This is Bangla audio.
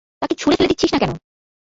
তাকে ছুড়ে ফেলে দিচ্ছিস না কেন?